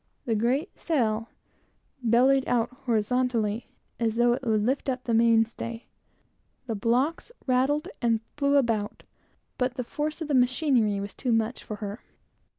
The great sail bellied out horizontally as though it would lift up the main stay; the blocks rattled and flew about; but the force of machinery was too much for her.